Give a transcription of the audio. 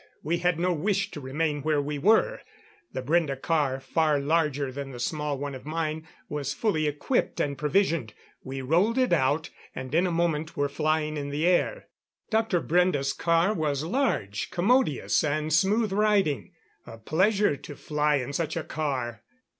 We had no wish to remain where we were. The Brende car, far larger than the small one of mine, was fully equipped and provisioned. We rolled it out, and in a moment were flying in the air. Dr. Brende's car was large, commodious, and smooth riding. A pleasure to fly in such a car!